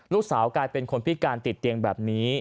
กลายเป็นคนพิการติดเตียงแบบนี้